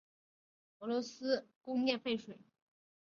俄罗斯亦引入凤眼蓝作为处理生活污水和工业废水。